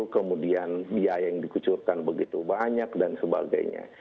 kemudian biaya yang dikucurkan begitu banyak dan sebagainya